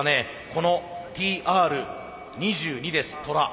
このＴＲ２２ですトラ。